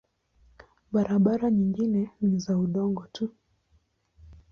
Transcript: Barabara nyingine ni za udongo tu.